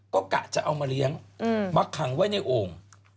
ก็กะจะเอามาเลี้ยงมาขังไว้ในโอ่ง